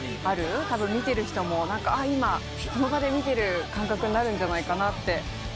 たぶん見てる人も今この場で見てる感覚になるんじゃないかなと思います。